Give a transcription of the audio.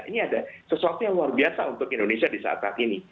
ini ada sesuatu yang luar biasa untuk indonesia di saat saat ini